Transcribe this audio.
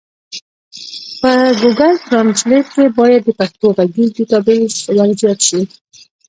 په ګوګل ټرانزلېټ کي بايد د پښتو ږغيز ډيټابيس ورزيات سي.